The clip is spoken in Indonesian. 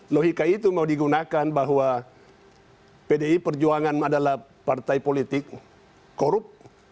logika itu mau digunakan bahwa pdi perjuangan adalah partai politik korup